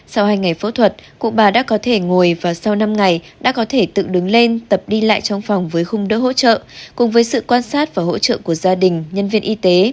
sau hai ngày phẫu thuật cụ bà đã có thể ngồi và sau năm ngày đã có thể tự đứng lên tập đi lại trong phòng với khung đỡ hỗ trợ cùng với sự quan sát và hỗ trợ của gia đình nhân viên y tế